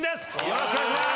よろしくお願いします。